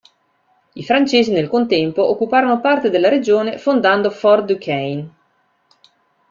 I francesi nel contempo occuparono parte della regione fondando Fort Duquesne.